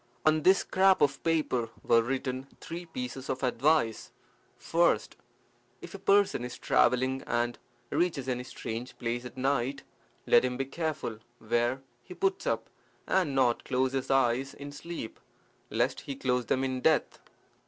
On this scrap of paper were written three pieces of advice First, If a person is travelling and reaches any strange place at night, let him be careful where he puts up, and not close his eyes in sleep, lest he close them in death.